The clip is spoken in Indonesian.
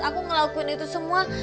aku ngelakuin itu semua